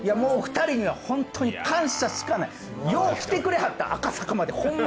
２人には本当に感謝しかないよう来てくれはった、赤坂まで。